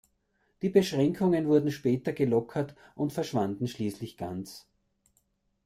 Die Beschränkungen wurden später gelockert und verschwanden schließlich ganz.